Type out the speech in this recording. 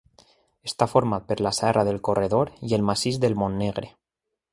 Està format per la Serra del Corredor i el Massís del Montnegre.